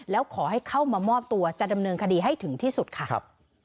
แล้วขอให้เข้ามามอบตัวจะดำเนินคดีให้ถึงที่สุดค่ะ